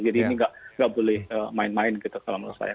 jadi ini nggak boleh main main gitu kalau menurut saya